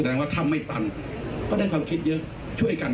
ได้ดีกัน